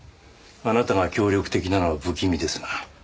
あなたが協力的なのは不気味ですが。